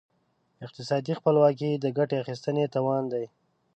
اقتصادي خپلواکي د ګټې اخیستنې توان دی.